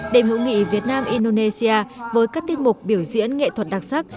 đềm hữu nghị việt nam indonesia với các tiết mục biểu diễn nghệ thuật đặc sắc